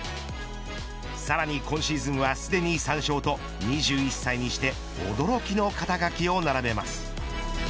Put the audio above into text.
さらに今シーズンはすでに３勝と２１歳にして驚きの肩書を並べます。